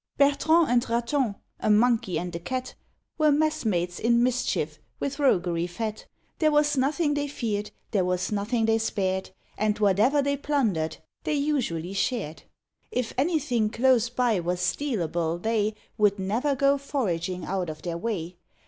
Bertrand and Raton a Monkey and Cat Were messmates in mischief, with roguery fat; There was nothing they feared, there was nothing they spared, And whatever they plundered they usually shared. If anything close by was stealable, they Would never go foraging out of their way.